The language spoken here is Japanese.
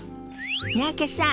三宅さん